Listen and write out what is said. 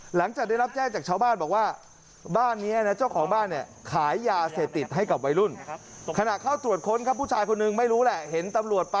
หลังจากได้รับแจ้งจากชาวบ้านแบบว่า